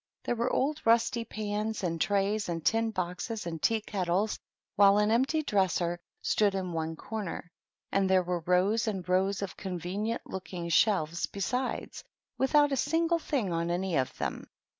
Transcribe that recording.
There were old rusty pans and trays and tin boxes and tea kettles, while an empty dresser stood in one corner, and there were rows and rows of convenient looking shelves be sides, without a single thing on any of them.